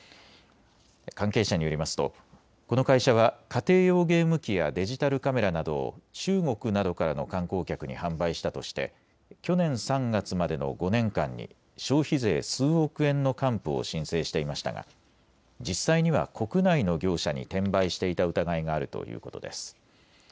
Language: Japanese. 関係者によりますと、この会社は家庭用ゲーム機やデジタルカメラなどを中国などからの観光客に販売したとして去年３月までの５年間に消費税数億円の還付を申請していましたが実際には国内の業者に転売していた疑いがあるということです。